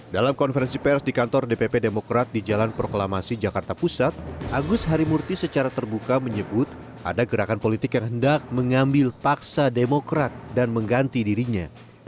dalam konferensi pers di kantor dpp demokrat di jalan proklamasi jakarta pusat agus harimurti secara terbuka menyebut ada gerakan politik yang hendak mengambil paksa demokrat dan mengganti dirinya